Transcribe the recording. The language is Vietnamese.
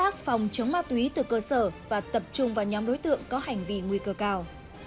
chống ma túy từ cơ sở và tập trung vào nhóm đối tượng có hành vi nguy cơ cao